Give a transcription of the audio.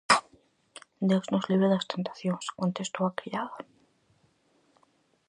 -Deus nos libre das tentacións -contestou a criada-.